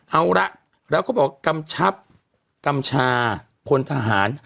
เอาละแล้วก็บอกกำชับกำชาพลทหาร